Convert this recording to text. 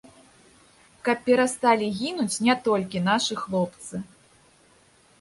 Каб перасталі гінуць не толькі нашы хлопцы.